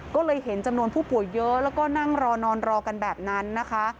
ก็เลยเห็นจำนวนผู้ป่วยเยอะแล้วก็นั่งรอนอนรอกันแบบนั้นนะคะ